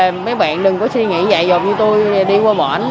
mấy bạn đừng có suy nghĩ dại dột như tôi đi qua bển